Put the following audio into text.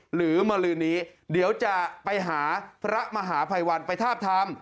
หรือมลือนี้เดี๋ยวจะไปหาพระมหาภัยวันไปทาบทาม